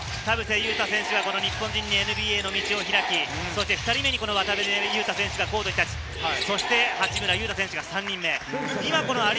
勇太選手が日本人ＮＢＡの道を開き、２人目にこの渡邊雄太選手がコートに立ち、そして八村塁選手が３人目。